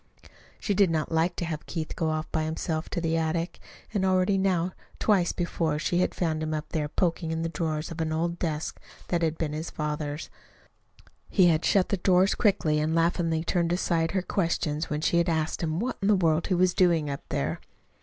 She did not like to have Keith go off by himself to the attic, and already now twice before she had found him up there, poking in the drawers of an old desk that had been his father's. He had shut the drawers quickly and had laughingly turned aside her questions when she had asked him what in the world he was doing up there.